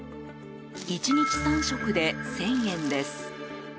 １日３食で１０００円です。